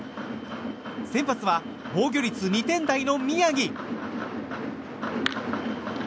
先発は防御率２点台の宮城。